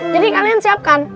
jadi kalian siapkan